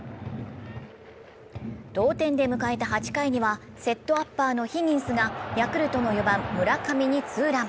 同点で迎えた８回にはセットアッパーのヒギンスがヤクルトの４番・村上にツーラン。